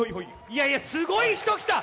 いやすごい人来た！